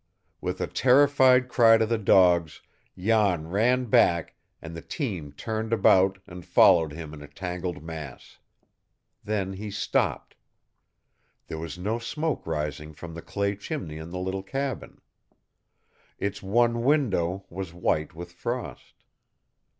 With a terrified cry to the dogs, Jan ran back, and the team turned about and followed him in a tangled mass. Then he stopped. There was no smoke rising from the clay chimney on the little cabin. Its one window was white with frost.